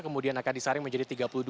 kemudian akan disaring menjadi tiga puluh dua